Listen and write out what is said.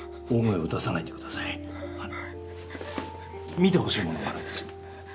見てほしいものがあるんです。